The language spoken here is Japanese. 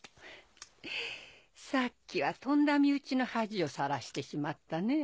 さっきはとんだ身内の恥をさらしてしまったね。